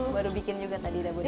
baru bikin juga tadi dabunya